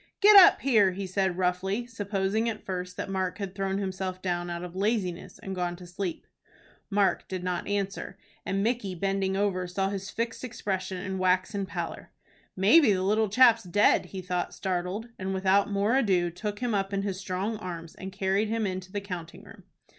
"Get up here!" he said, roughly, supposing at first that Mark had thrown himself down out of laziness and gone to sleep. Mark didn't answer, and Micky, bending over, saw his fixed expression and waxen pallor. "Maybe the little chap's dead," he thought, startled, and, without more ado, took him up in his strong arms and carried him into the counting room.